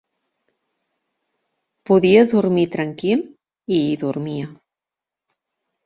Podia dormir tranquil i hi dormia